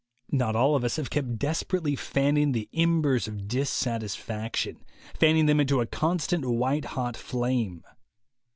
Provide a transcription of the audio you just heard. Not all of us have kept desperately fanning the embers of dissatisfaction, fanning them into a constant white hot flame.